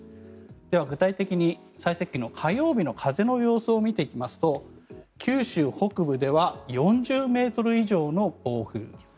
では、具体的に最接近の火曜日の風を見ていきますと九州北部では４０ｍ以上の暴風。